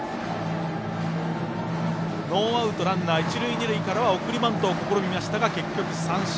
ノーアウト、ランナー一塁二塁からは送りバントを試みましたが結局、三振。